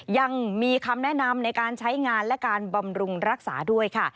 ยังมีคำแนะนำในการใช้งานและการบำรุงรักษาด้วยค่ะ